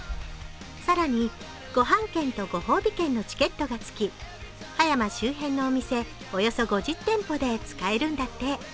更に、ごはん券とごほうび券のチケットがつき葉山周辺のお店およそ５０店舗で使えるんだって。